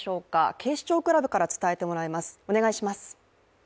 警視庁クラブから伝えてもらいます。